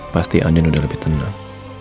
pasti aldin udah lebih tenang